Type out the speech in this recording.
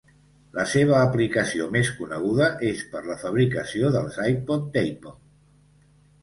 La seva aplicació més coneguda és per la fabricació dels iPod d'Apple.